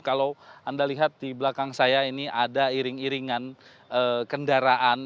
kalau anda lihat di belakang saya ini ada iring iringan kendaraan